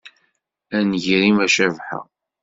A nnger-im, a Cabḥa!